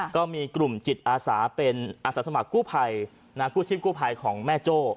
ก็มีกลุ่มจิตอาสาเป็นอาสาสมัครกู้ภัยกู้ชีพกู้ภัยของแม่โจ้